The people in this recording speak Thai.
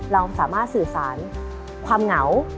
เราสามารถสื่อสารความเหงา